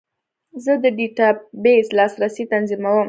زه د ډیټابیس لاسرسی تنظیموم.